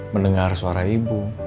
mendengar suara ibu